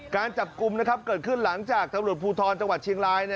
การจับกลุ่มเกิดขึ้นหลังจากตำรวจภูทรจังหวัดเชียงราย